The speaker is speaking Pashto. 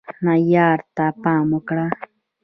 معیار ته پام وکړئ